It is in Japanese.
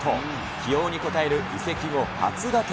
起用に応える移籍後、初打点。